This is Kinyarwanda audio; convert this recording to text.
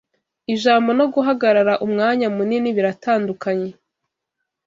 Ijambo no guhagarara umwanya munini biratandukanye